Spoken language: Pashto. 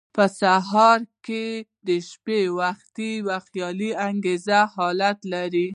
په صحراء کې د شپې وخت یو خیال انگیز حالت لري.